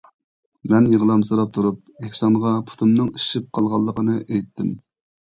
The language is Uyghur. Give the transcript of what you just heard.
مەن يىغلامسىراپ تۇرۇپ ئېھسانغا پۇتۇمنىڭ ئىششىپ قالغانلىقىنى ئېيتتىم.